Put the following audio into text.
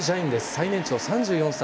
最年長３４歳。